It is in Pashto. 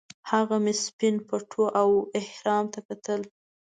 هغه مې سپین پټو او احرام ته کتل.